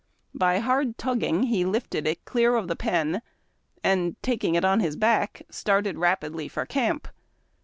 By hard tugging he lifted it clear of the pen, and, taking it on his back, started rapidly for camp.